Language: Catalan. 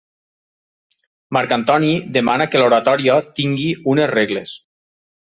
Marc Antoni demana que l'oratòria tingui unes regles.